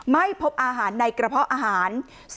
ไม่พบอาหารในกระเพาะอาหาร